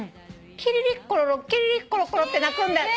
「キリリッコロロキリッコロ」って鳴くんだって。